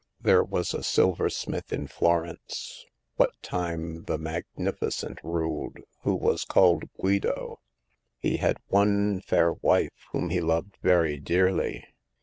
There was a silversmith in Florence, what time the Magnificent^ ruled, who was called Guido. He had one f air""wif e whom he loved very dearly.